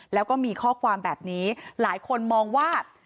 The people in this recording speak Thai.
แล้วก็มีข้อความแบบนี้หลายคนมองว่า